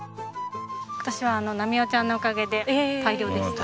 今年はナミオちゃんのおかげで大量です。